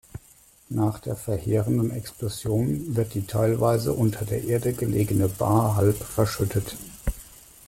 Nach der verheerenden Explosion wird die teilweise unter der Erde gelegene Bar halb verschüttet.